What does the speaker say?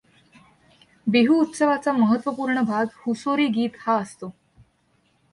बिहूउत्सवाचा महत्वपुर्ण भाग हुसोरी गीते हा असतो.